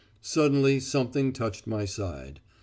"Suddenly something touched my side.